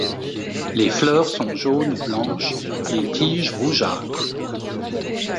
Les fleurs sont jaunes ou blanches, les tiges rougeâtres.